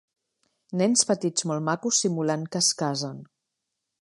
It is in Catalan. Nens petits molt macos simulant que es casen